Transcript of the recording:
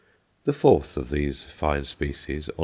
The fourth of these fine species, _Onc.